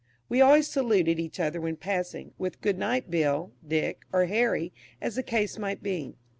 We always saluted each other when passing, with "Good night, Bill," "Dick," or "Harry," as the case might be.